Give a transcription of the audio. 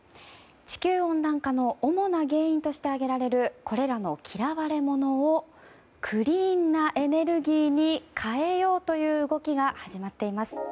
地球温暖化の主な原因として挙げられるこれらの嫌われ者をクリーンなエネルギーに変えようという動きが始まっています。